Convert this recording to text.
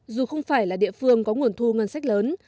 dù không phải là địa phương có nguồn thu ngân sách lớn